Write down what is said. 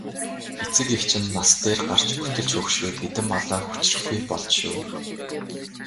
Эцэг эх чинь нас дээр гарч өтөлж хөгшрөөд хэдэн малаа хүчрэхгүй болж шүү.